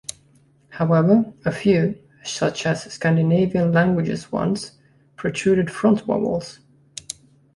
However, a few, such as Scandinavian languages ones, protruded front vowels.